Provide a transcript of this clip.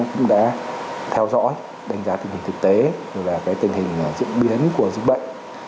cũng đã theo dõi đánh giá tình hình thực tế và tình hình diễn biến của dịch bệnh